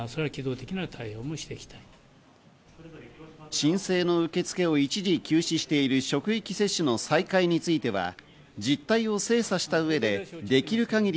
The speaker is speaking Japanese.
申請の受け付けを一時休止している職域接種の再開については、実態を精査した上でできる限り